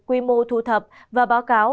quy mô thu thập và báo cáo